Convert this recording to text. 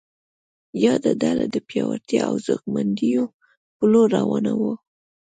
یاده ډله د پیاوړتیا او ځواکمنېدو په لور روانه وه.